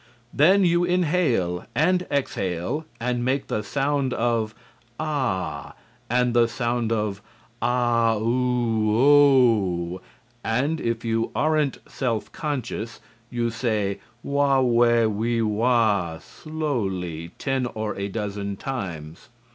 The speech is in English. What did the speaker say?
Then you inhale and exhale and make the sound of "ah" and the sound of "ah oo oh," and, if you aren't self conscious, you say "wah we wi wa," slowly, ten or a dozen times.